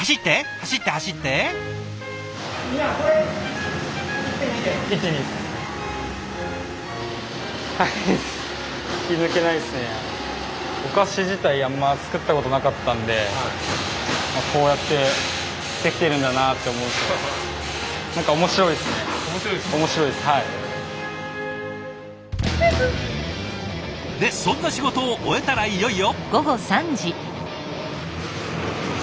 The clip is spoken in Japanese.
走って走って！でそんな仕事を終えたらいよいよ。